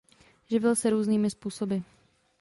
Živil se různými způsoby.